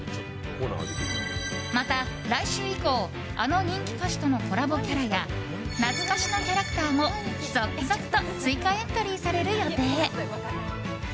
また来週以降あの人気歌手とのコラボキャラや懐かしのキャラクターも続々と追加エントリーされる予定。